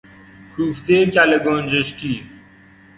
کوفته کله گنجشکی